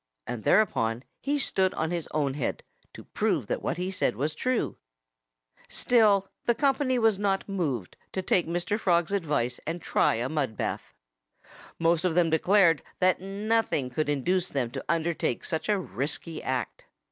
And thereupon he stood on his own head, to prove that what he said was true. Still the company was not moved to take Mr. Frog's advice and try a mud bath. Most of them declared that nothing could induce them to undertake such a risky act.